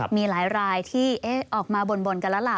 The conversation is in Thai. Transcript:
มีหลายรายที่ออกมาบนกันแล้วล่ะ